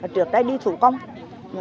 trước đây đi thủ công